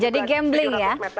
jadi gambling ya